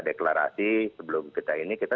deklarasi sebelum kita ini kita